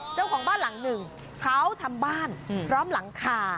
เจ้าของบ้านหลังหนึ่งเขาทำบ้านพร้อมหลังคา